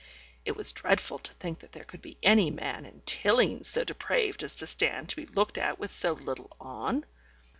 It was dreadful to think that there could be any man in Tilling so depraved as to stand to be looked at with so little on.